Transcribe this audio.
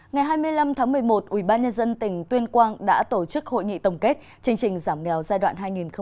ngày hai mươi năm tháng một mươi một ubnd tỉnh tuyên quang đã tổ chức hội nghị tổng kết chương trình giảm nghèo giai đoạn hai nghìn một mươi sáu hai nghìn hai mươi